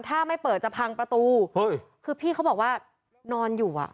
ถ้าไม่เปิดจะพังประตูเฮ้ยคือพี่เขาบอกว่านอนอยู่อ่ะ